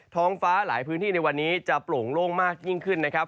ท้องฟ้าหลายพื้นที่ในวันนี้จะโปร่งโล่งมากยิ่งขึ้นนะครับ